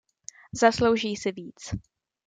Zaslouží si víc.